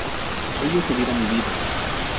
¿ellos hubieran vivido?